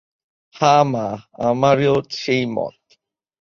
হাঁ মা, আমারও সেই মত।